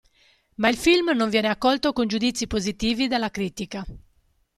Ma il film non viene accolto con giudizi positivi dalla critica.